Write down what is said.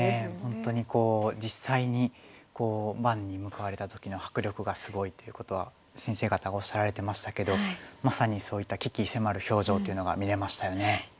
本当にこう実際に盤に向かわれた時の迫力がすごいということは先生方おっしゃられてましたけどまさにそういった鬼気迫る表情というのが見れましたよね。